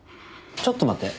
ちょっと待って。